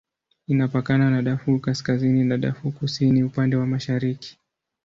Inapakana na Darfur Kaskazini na Darfur Kusini upande wa mashariki.